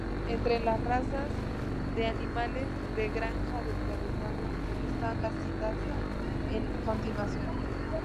Entre las razas de animales de granja del territorio están las citadas a continuación.